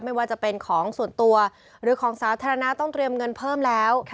ไม่ว่าจะเป็นของส่วนตัวหรือของสาธารณะต้องเตรียมเงินเพิ่มแล้ว